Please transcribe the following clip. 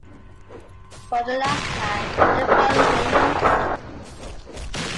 For the last time, the phone rings.